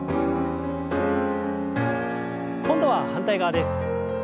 今度は反対側です。